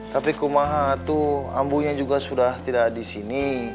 tapi kemudian ambu juga sudah tidak di sini